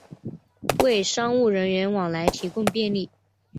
为商务人员往来提供便利